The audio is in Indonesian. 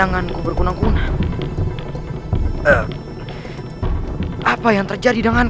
mengapa kuburkannya malah terasa dingin